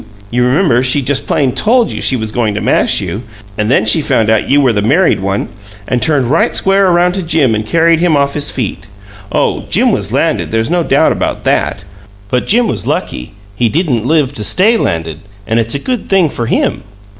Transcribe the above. You remember, she just plain TOLD you she was going to mash you, and then she found out you were the married one, and turned right square around to Jim and carried him off his feet. Oh, Jim was landed there's no doubt about THAT! But Jim was lucky; he didn't live to STAY landed, and it's a good thing for him!"